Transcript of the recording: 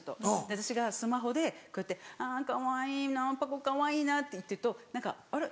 私がスマホでこうやって「かわいいなパコかわいいな」って言ってると何か「あれ？